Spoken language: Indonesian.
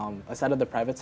selain dari sektor pribadi